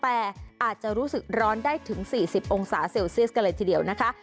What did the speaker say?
แต่อาจจะรู้สึกร้อนได้ถึง๔๐องศาเซลเซียสกันเลยทีเดียวนะคะ